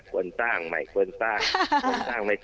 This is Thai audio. เขินตั้งใหม่เขินตั้งเขาตั้กไม่ตั้ง